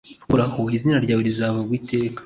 Uhoraho izina ryawe rizavugwa iteka